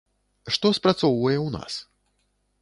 Што спрацоўвае ў нас?